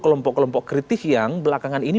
kelompok kelompok kritis yang belakangan ini